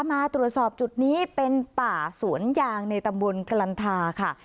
มาตรวจสอบจุดนี้เป็นป่าสวนยางในตำบลกลันทาค่ะ